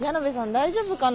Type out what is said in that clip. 大丈夫かな？